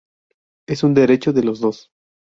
Es un derecho de los dos.